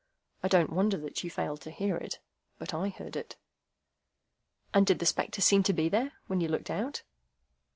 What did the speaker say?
I don't wonder that you failed to hear it. But I heard it." "And did the spectre seem to be there, when you looked out?"